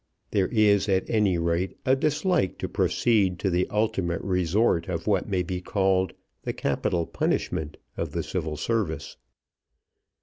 There is, at any rate, a dislike to proceed to the ultimate resort of what may be called the capital punishment of the Civil Service.